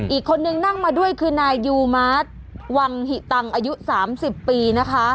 อีกคนนึงนั่งมาด้วยคือนายยูมาร์ทวังหิตังอายุ๓๐ปีนะคะ